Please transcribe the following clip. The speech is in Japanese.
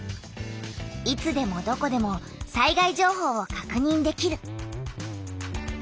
いつでもどこでも災害情報をかくにんできる。